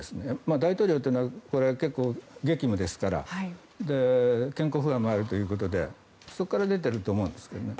大統領というのは結構、激務ですから健康不安もあるということでそこから出ていると思うんですけどね。